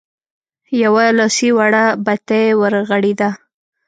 يوه لاسي وړه بتۍ ورغړېده.